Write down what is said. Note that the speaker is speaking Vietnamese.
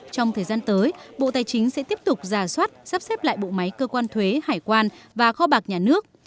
trong thời gian tới bộ tài chính sẽ tiếp tục giả soát sắp xếp lại bộ máy cơ quan thuế hải quan và kho bạc nhà nước